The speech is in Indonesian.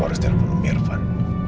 gua harus telfon umbilik pak